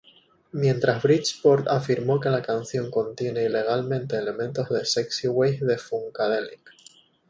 Mientras Bridgeport afirmó que la canción contiene ilegalmente elementos de "Sexy Ways" de Funkadelic.